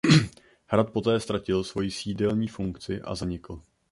Hrad poté ztratil svoji sídelní funkci a zanikl.